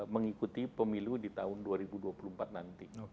mengikuti pemilu di tahun dua ribu dua puluh empat nanti